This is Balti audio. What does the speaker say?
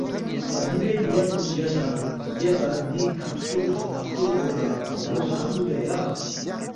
مِی بے نیت کُن بیاسے نہ یا تا دی کھب ہلتُور، سنب ہلتُور پو لہ بون٘و نام دُوگے یا،